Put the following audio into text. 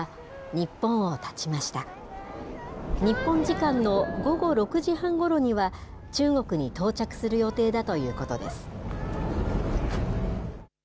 日本時間の午後６時半ごろには、中国に到着する予定だということです。